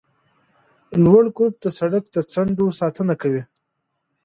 لوړ کرب د سرک د څنډو ساتنه کوي